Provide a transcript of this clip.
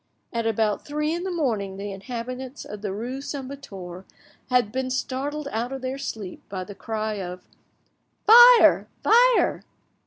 At about three in the morning the inhabitants of the rue St. Victor had been startled out of their sleep by the cry of "Fire, fire!"